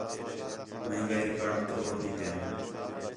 مہنگائی ریکارڈ تروڑ ݙتئین